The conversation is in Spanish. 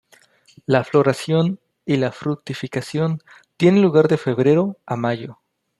La floración y la fructificación tiene lugar de febrero a mayo.